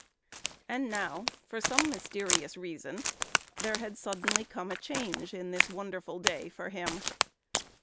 And now, for some mysterious reason, there had suddenly come a change in this wonderful day for him.